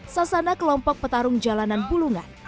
sasana kelompok petarung jalanan bulungan